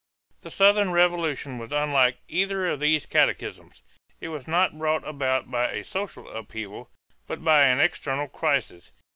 The Southern Revolution was unlike either of these cataclysms. It was not brought about by a social upheaval, but by an external crisis.